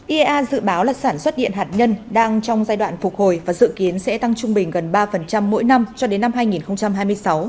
iea dự báo là sản xuất điện hạt nhân đang trong giai đoạn phục hồi và dự kiến sẽ tăng trung bình gần ba mỗi năm cho đến năm hai nghìn hai mươi sáu